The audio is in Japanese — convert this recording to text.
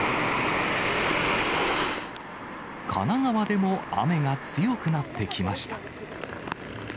神奈川でも雨が強くなってきました。